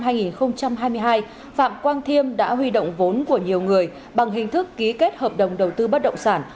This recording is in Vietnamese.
vào tháng ba năm hai nghìn hai mươi hai phạm quang thiêm đã huy động vốn của nhiều người bằng hình thức ký kết hợp đồng đầu tư bắt động sản